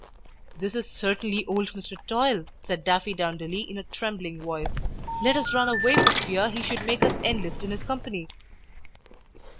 "This is certainly old Mr. Toil," said Daffydowndilly, in a trembling voice. "Let us run away for fear he should make us enlist in his company!"